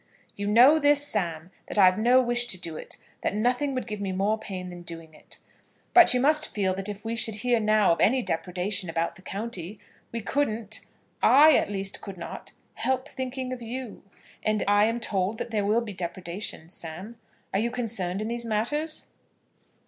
"You know this, Sam, that I've no wish to do it; that nothing would give me more pain than doing it. But you must feel that if we should hear now of any depredation about the county, we couldn't, I at least could not, help thinking of you. And I am told that there will be depredations, Sam. Are you concerned in these matters?"